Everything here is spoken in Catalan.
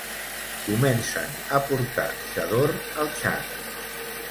Comencen a portar xador al Txad.